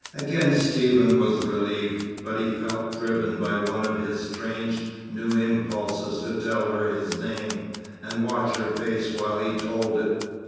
Again Stephen was relieved. But he felt driven by one of his strange new impulses to tell her his name, and watch her face while he told it.